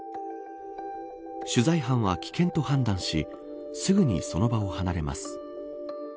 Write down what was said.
取材班は危険と判断しすぐにその場を離れます。